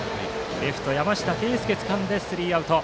レフト、山下佳佑がつかんでスリーアウト。